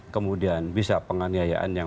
kemudian bisa penganiayaan yang